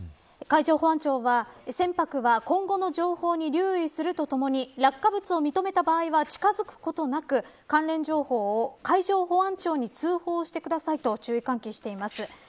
海上保安庁は船舶は今後の情報に留意するとともに落下物を認めた場合は近づくことなく、関連情報を海上保安庁に通報してくださいと注意喚起しています。